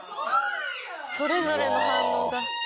それぞれの反応が。